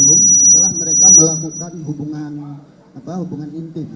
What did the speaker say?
setelah mereka melakukan hubungan intip